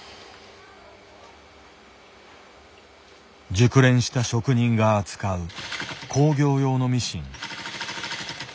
熟練した職人が扱う工業用のミシン。